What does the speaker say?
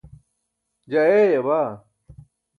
je ayaya baa